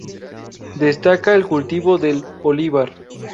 Destaca el cultivo del olivar.